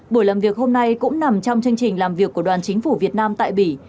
buổi làm việc hôm nay cũng nằm trong chương trình làm việc của đoàn chính phủ việt nam tại bỉ